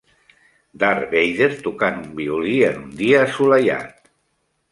Darth Vader tocant un violí en un dia assolellat